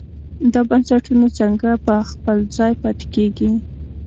دا بنسټونه څنګه په خپل ځای پاتې کېږي.